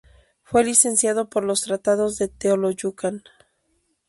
Fue licenciado por los Tratados de Teoloyucan.